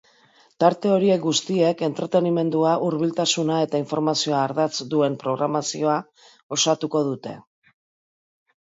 Tarte horiek guztiek entretenimendua, hurbiltasuna eta informazioa ardatz duen programazioa osatuko dute.